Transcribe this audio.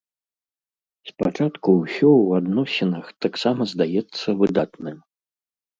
Спачатку ўсё ў адносінах таксама здаецца выдатным.